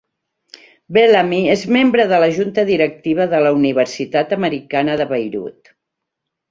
Bellamy és membre de la Junta Directiva de la Universitat Americana de Beirut.